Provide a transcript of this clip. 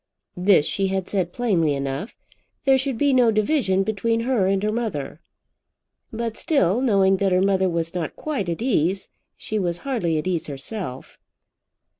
This she had said plainly enough. There should be no division between her and her mother. But still, knowing that her mother was not quite at ease, she was hardly at ease herself.